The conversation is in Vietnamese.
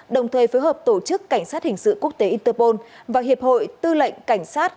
đồng thời phối hợp tổ chức cảnh sát hình sự quốc tế interpol và hiệp hội tư lệnh cảnh sát